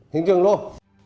hiện trường luôn